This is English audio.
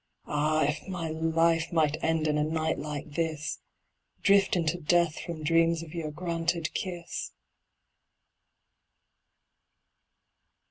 Ah, if my life might end in a night like this Drift into death from dreams of your granted kiss!